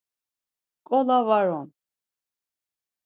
Nǩola var on.